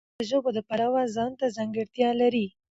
افغانستان د ژبو د پلوه ځانته ځانګړتیا لري.